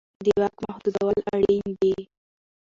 د واک محدودول اړین دي